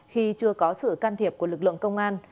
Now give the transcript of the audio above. khi chưa có sự can thiệp của lực lượng công an